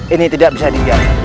ini tidak bisa dibiarkan